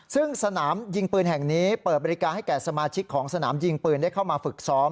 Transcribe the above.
ซึ่งสนามยิงปืนแห่งนี้เปิดบริการให้แก่สมาชิกของสนามยิงปืนได้เข้ามาฝึกซ้อม